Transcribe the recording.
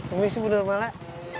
emisi budur malah